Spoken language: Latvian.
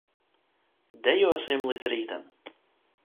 Dejosim līdz rītam.